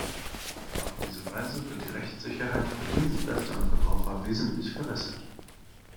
Auf diese Weise wird die Rechtssicherheit für Dienstleister und Verbraucher wesentlich verbessert.